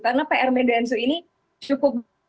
karena pr medan zoo ini cukup besar